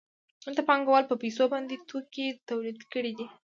دلته پانګوال په پیسو باندې توکي تولید کړي دي